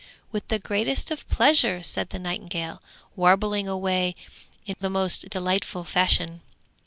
'With the greatest of pleasure!' said the nightingale, warbling away in the most delightful fashion.